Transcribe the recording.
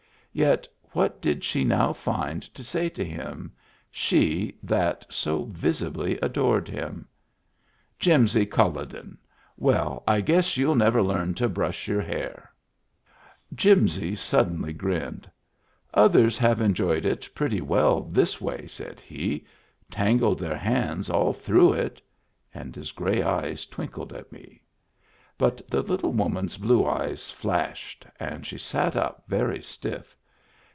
Yet, what did she now find to say to him — she that so visibly adored him ? "Jimsy CuUoden! Well, I guess you'll never learn to brush your hair !'* Jimsy suddenly grinned. "Others have en joyed it pretty well this way," said he. " Tangled their hands all through it." And his gray eyes twinkled at me. But the little woman's blue eyes flashed and she sat up very stiff.